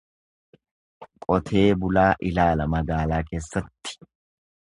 Qotee bulaa ilaala magaalaa keessatti.